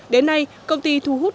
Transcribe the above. đến nay công ty thu hút